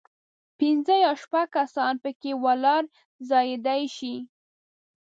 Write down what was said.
پنځه یا شپږ کسان په کې ولاړ ځایېدای شي.